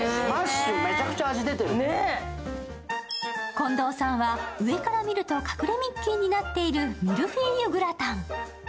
近藤さんは上から見ると隠れミッキーになっているミルフィーユグラタン。